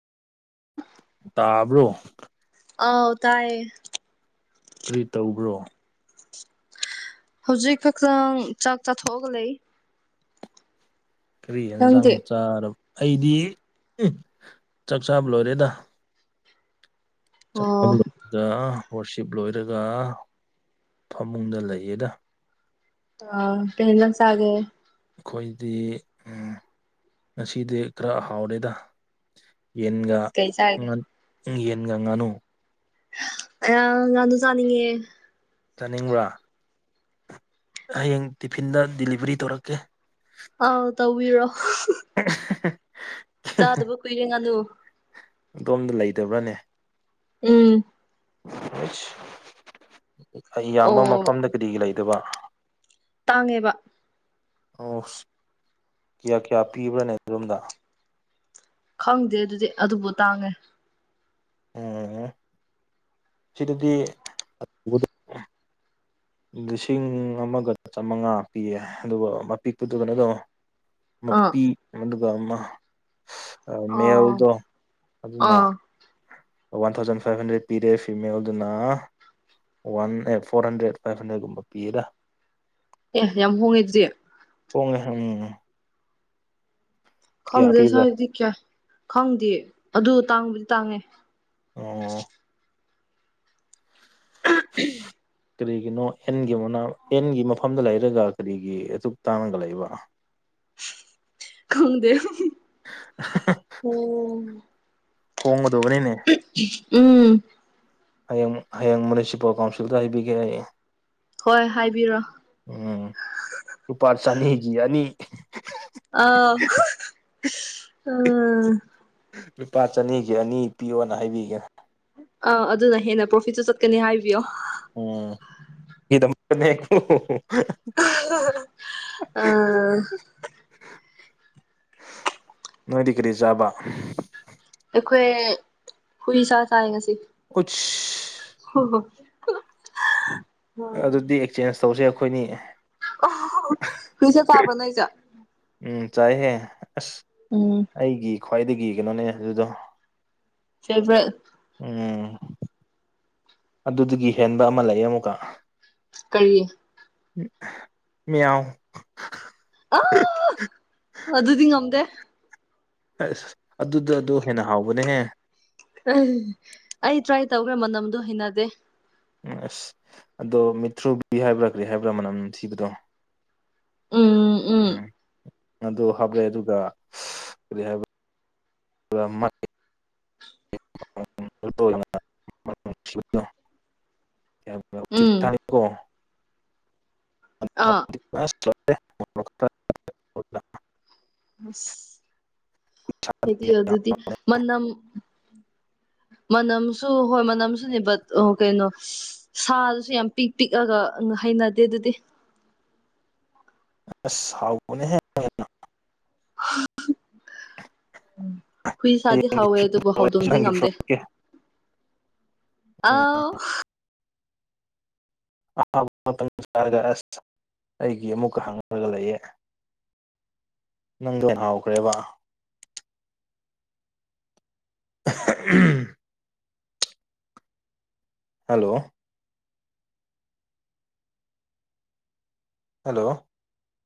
ꯎ [inaudible] ꯇꯥꯕ꯭ꯔꯣ ꯑꯥꯎ ꯇꯥꯏꯌꯦ ꯀ꯭ꯔꯤ ꯇꯧꯕ꯭ꯔꯣ ꯍꯧꯖꯤꯛ ꯈꯛꯇꯥꯡ ꯆꯥꯛ ꯆꯥꯊꯣꯛꯑꯒ ꯂꯩ ꯀꯔꯤ ꯑꯦꯟꯖꯥꯡ ꯅꯪꯗꯤ ꯆꯥꯔꯕ ꯑꯩꯗꯤ [unintelligible] ꯆꯥꯛ ꯆꯥꯕ ꯂꯣꯏꯔꯦꯗ ꯆꯥꯛ ꯆꯕ ꯑꯣ ꯂꯣꯏꯔꯒ ꯋꯥꯔꯁꯤꯞ ꯂꯣꯏꯔꯒ ꯐꯃꯨꯡꯗ ꯂꯩꯌꯦꯗ ꯑ ꯀꯩ ꯍꯤꯟꯖꯥꯡ ꯆꯥꯒꯦ ꯑꯩꯈꯣꯏꯗꯤ ꯑꯨꯝ ꯉꯁꯤꯗꯤ ꯈꯔ ꯍꯥꯎꯔꯦꯗ ꯌꯦꯟꯒ ꯀꯩ ꯆꯥꯔꯒꯦ ꯉꯥꯟ ꯌꯦꯟꯒ ꯉꯥꯅꯨ ꯑꯌꯥ ꯉꯥꯅꯨ ꯆꯥꯅꯤꯡꯉꯦ ꯆꯥꯅꯤꯡꯕ꯭ꯔꯥ ꯍꯌꯦꯡ ꯇꯤꯐꯤꯟꯗ ꯗꯤꯂꯤꯚꯔꯤ ꯇꯧꯔꯛꯀꯦ ꯑꯥꯎ ꯇꯧꯕꯤꯔꯣ [unintelligible] ꯆꯥꯗꯕ ꯀꯨꯏꯔꯦ ꯉꯥꯅꯨ ꯑꯗꯣꯝꯗ ꯂꯩꯇꯕ꯭ꯔꯥꯅꯦ ꯎꯝ ꯑꯩꯁ ꯏꯌꯥꯝꯕ ꯑꯣ ꯃꯐꯝꯗ ꯀꯔꯤꯒꯤ ꯂꯩꯗꯕ ꯇꯥꯡꯉꯦꯕ ꯑꯣꯁ ꯀꯌꯥ ꯀꯌꯥ ꯄꯤꯕ꯭ꯔꯥꯅꯦ ꯑꯗꯣꯝꯗ ꯈꯪꯗꯦ ꯑꯗꯨꯗꯤ ꯑꯗꯨꯕꯨ ꯇꯥꯡꯉꯦ [unintelligible] ꯁꯤꯗꯗꯤ ꯂꯤꯁꯤꯡ ꯑꯃꯒ ꯆꯥꯃꯉꯥ ꯄꯤꯌꯦ ꯑꯗꯨꯒ ꯑꯄꯤꯛꯄꯗꯨꯗꯅ ꯑꯗꯨꯝ ꯑꯥ ꯃꯄꯤ ꯃꯗꯨꯒꯥ ꯑꯃ ꯑꯣ ꯃꯦꯜꯗꯣ ꯑꯗꯨꯅ ꯑꯥ ꯋꯥꯟ ꯊꯥꯎꯖꯟ ꯐꯥꯏꯚ ꯍꯟꯗ꯭ꯔꯦꯠ ꯄꯤꯔꯦ ꯐꯤꯃꯦꯜꯗꯨꯅ one eight four hundred five ꯍꯟꯗ꯭ꯔꯦꯠꯀꯨꯝꯕ ꯄꯤꯌꯦꯗ ꯑꯦ ꯌꯥꯝ ꯍꯣꯡꯉꯦ ꯑꯗꯨꯗꯤ ꯍꯣꯡꯉꯦ ꯎꯝ ꯀꯌꯥ ꯈꯪꯗꯦ ꯄꯤꯕ꯭ꯔꯥ ꯁꯋꯥꯏꯗꯤ ꯀꯌꯥ ꯈꯪꯗꯤꯌꯦ ꯑꯗꯨ ꯇꯥꯡꯕꯗꯤ ꯇꯥꯡꯉꯦ ꯑꯣ ꯀꯔꯤꯒꯤꯅꯣ ꯑꯦꯟꯒꯤ ꯃꯅꯥ ꯑꯦꯟꯒꯤ ꯃꯐꯝꯗ ꯂꯩꯔꯒ ꯀꯔꯤꯒꯤ ꯑꯗꯨꯛ ꯇꯥꯡꯉꯒ ꯂꯩꯕ ꯈꯪꯗꯦ ꯎꯝ ꯍꯣꯡꯒꯗꯧꯕꯅꯤꯅꯦ ꯎꯝ ꯍꯌꯦꯡ ꯍꯌꯦꯡ ꯃꯌꯨꯅꯤꯁꯤꯄꯥꯜ ꯀꯥꯎꯟꯁꯤꯜꯗ ꯍꯥꯏꯕꯤꯒꯦ ꯑꯩ ꯍꯣꯏ ꯍꯥꯏꯕꯤꯔꯣ ꯎꯝ ꯂꯨꯄꯥ ꯆꯅꯤꯒꯤ ꯑꯅꯤ ꯑꯧ ꯑꯥ ꯂꯨꯄꯥ ꯆꯅꯤꯒꯤ ꯑꯅꯤ ꯄꯤꯌꯣꯅ ꯍꯥꯏꯕꯤꯒꯦ ꯑꯥ ꯑꯗꯨꯅ ꯍꯦꯟꯅ ꯄ꯭ꯔꯣꯐꯤꯠꯁꯨꯨ ꯆꯠꯀꯅꯤ ꯍꯥꯏꯕꯤꯌꯣ ꯑꯣ ꯒꯤꯗꯃꯛꯇꯅꯦ ꯀꯣ [unintelligible] ꯑ ꯅꯣꯏꯗꯤ ꯀ꯭ꯔꯤ ꯆꯥꯕ ꯑꯩꯈꯣꯏ ꯍꯨꯏ ꯁꯥ ꯆꯥꯏ ꯉꯁꯤ ꯀꯨꯁ ꯍꯣ ꯍꯣ ꯑꯗꯨꯗꯤ ꯑꯦꯛꯆꯦꯟꯖ ꯇꯧꯁꯦ ꯑꯩꯈꯣꯏꯅꯤ ꯐꯤꯁꯦ ꯄꯥꯕ꯭ꯔꯣ ꯅꯣꯏꯁꯨ ꯎꯝ ꯆꯥꯏꯍꯦ ꯑꯁ ꯎꯝ ꯑꯩꯒꯤ ꯈ꯭ꯋꯥꯏꯗꯒꯤ ꯀꯩꯅꯣꯅꯦ ꯑꯗꯨꯗꯣ ꯐꯦꯕ꯭ꯔꯦꯠ [unintelligible] ꯎꯝ ꯑꯗꯨꯗꯒꯤ ꯍꯦꯟꯕ ꯑꯃ ꯂꯩꯌꯦ ꯑꯃꯨꯛꯀ ꯀꯔꯤ ꯃꯤꯌꯥꯎ ꯑ ꯑꯗꯨꯗꯤ ꯉꯝꯗꯦ ꯑꯁ ꯑꯗꯨꯗ ꯑꯗꯣ ꯍꯦꯟꯅ ꯍꯥꯎꯕꯅꯦꯍꯦ ꯑꯩ ꯑꯩ ꯇ꯭ꯔꯥꯏ ꯇꯧꯈ꯭ꯔꯦ ꯃꯅꯝꯗꯣ ꯍꯩꯅꯗꯦ ꯑꯁ ꯑꯗꯣ ꯃꯤꯊ꯭ꯔꯨꯕꯤ ꯍꯥꯏꯕ꯭ꯔꯥ ꯀ꯭ꯔꯤ ꯍꯥꯏꯕ꯭ꯔꯥ ꯃꯅꯝ ꯅꯝꯊꯤꯕꯗꯣ ꯎꯝ ꯑꯗꯨ ꯍꯥꯞꯂꯦ ꯑꯗꯨꯒ ꯀꯔꯤ ꯍꯥꯏꯕ [unintelligible] ꯃꯤꯌꯥꯎ ꯃꯤꯌꯥꯎ ꯁꯤ ꯎꯝ ꯇꯥꯢ ꯀꯣ ꯑꯥ [unintelligible] [unintelligible] ꯑꯁ ꯑꯩꯗꯤ ꯌꯥꯖꯗꯦ ꯃꯅꯝ ꯃꯅꯝꯁꯨ ꯍꯣꯏ ꯃꯅꯝꯁꯨꯅꯦꯕ ꯑꯣ ꯀꯩꯅꯣ ꯁꯥꯗꯨꯁꯨ ꯌꯥꯝ ꯄꯤꯛ ꯄꯤꯛꯑꯒ ꯍꯩꯅꯗꯦ ꯑꯗꯨꯗꯤ ꯑꯁ ꯍꯥꯎꯕꯅꯦ ꯍꯦ ꯍꯨꯏ ꯁꯥꯥꯗꯤ ꯍꯌꯦꯡꯒꯤ ꯍꯥꯎꯋꯦ ꯑꯗꯨꯕꯨ ꯍꯥꯎꯗꯣꯡꯗꯤ ꯅꯪꯒꯤ ꯉꯝꯗꯦ ꯄꯨꯔꯛꯀꯦ ꯎꯝ ꯑꯥꯎ ꯑꯍꯥꯕ ꯃꯇꯝ [unintelligible] ꯆꯥꯔꯒ ꯑꯁ [inaudible] ꯑꯩꯒꯤ ꯑꯃꯨꯛꯀ ꯍꯪꯉꯥꯒ ꯂꯩꯌꯦII ꯅꯪ [unintelligible] ꯗꯣ ꯍꯥꯎꯈ꯭ꯔꯦꯕꯥ ꯑ ꯍ ꯎꯝꯝ ꯍꯜꯂꯣ? ꯍꯜꯂꯣ?